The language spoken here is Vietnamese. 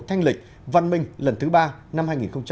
thanh lịch văn minh lần thứ ba năm hai nghìn hai mươi